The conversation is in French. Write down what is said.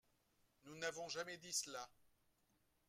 Nous n’avons jamais dit cela